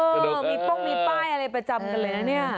เออมีป้องมีป้ายอะไรประจำกันเลยนะเนี่ย